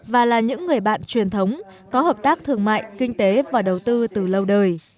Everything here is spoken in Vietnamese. và là những người bạn truyền thống có hợp tác thương mại kinh tế và đầu tư từ lâu đời